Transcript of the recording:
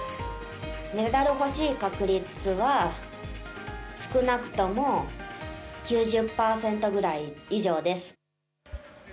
メダル欲しい確率は少なくとも９０％ぐらい以上です。